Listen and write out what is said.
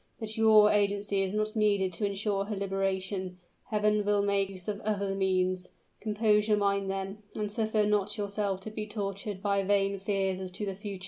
But YOUR agency is not needed to insure her liberation: Heaven will make use of OTHER means. Compose your mind, then, and suffer not yourself to be tortured by vain fears as to the future.